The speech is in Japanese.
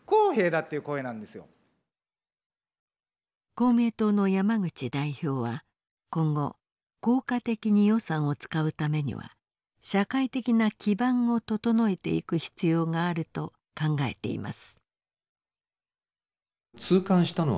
公明党の山口代表は今後効果的に予算を使うためには社会的な基盤を整えていく必要があると考えています。